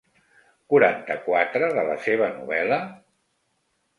Quaranta-quatre de la seva novel·la?